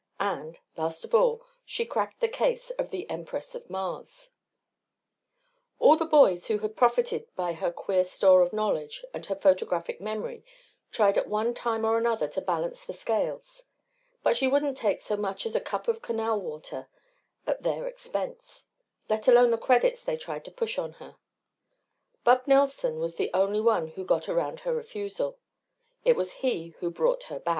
And, last of all, she cracked the case of the Empress of Mars. All the boys who had profited by her queer store of knowledge and her photographic memory tried at one time or another to balance the scales. But she wouldn't take so much as a cup of Canal water at their expense, let alone the credits they tried to push on her. Bub Nelson was the only one who got around her refusal. It was he who brought her Bat.